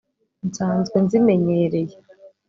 nsanzwe nzimenyereye